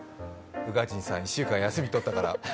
宇賀神さん、２週間休みをとったから。